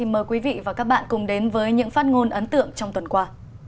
mời quý vị và các bạn cùng đến với những phát ngôn ấn tượng trong tuần qua